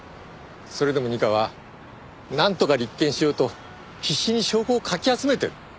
それでも二課はなんとか立件しようと必死に証拠をかき集めてる。